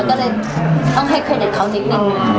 ก็เลยต้องให้เครดิตเขานิดนึง